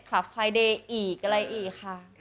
ขับไฟเดย์อีกอะไรอีกค่ะ